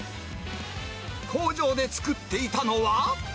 工場で作っていたのは。